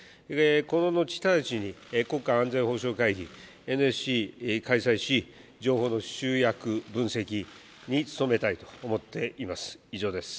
この後、直ちに国家安全保障会議・ＮＳＣ開催し、情報の集約、分析に努めたいと思っています。